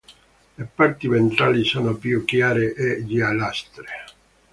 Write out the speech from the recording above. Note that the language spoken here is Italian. Le parti ventrali sono più chiare e giallastre.